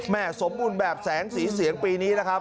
สมบูรณ์แบบแสงสีเสียงปีนี้นะครับ